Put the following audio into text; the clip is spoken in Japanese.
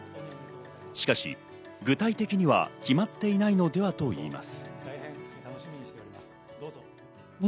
しかし具体的には決まっていないのではといいます。